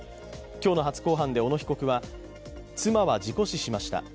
今日の初公判で小野被告は妻は事故死しました